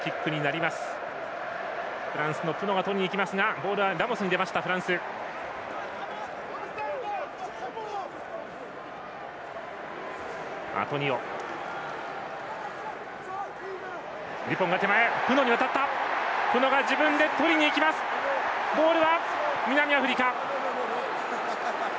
ボールは南アフリカ。